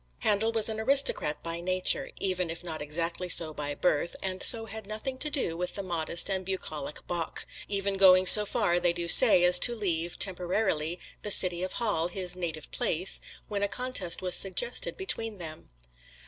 Handel was an aristocrat by nature, even if not exactly so by birth, and so had nothing to do with the modest and bucolic Bach even going so far, they do say, as to leave, temporarily, the City of Halle, his native place, when a contest was suggested between them.